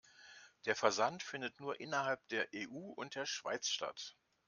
Der Versand findet nur innerhalb der EU und der Schweiz statt.